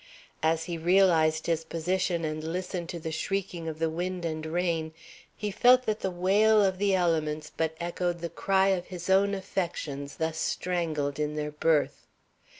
As he realized his position and listened to the shrieking of the wind and rain, he felt that the wail of the elements but echoed the cry of his own affections, thus strangled in their birth.